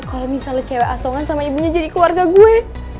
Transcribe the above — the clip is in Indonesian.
kalau misalnya cewek asongan sama ibunya jadi keluarga gue